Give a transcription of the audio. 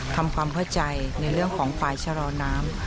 ทำความเข้าใจในเรื่องของฝ่ายชะลอน้ำ